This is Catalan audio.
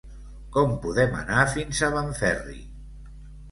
Com podem anar fins a Benferri?